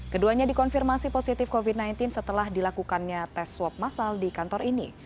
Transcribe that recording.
keduanya dikonfirmasi positif covid sembilan belas setelah dilakukannya tes swab masal di kantor ini